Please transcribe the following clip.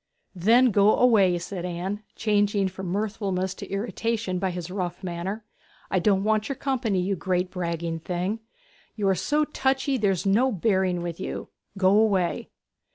'Then go away!' said Anne, changed from mirthfulness to irritation by his rough manner. 'I don't want your company, you great bragging thing! You are so touchy there's no bearing with you. Go away!'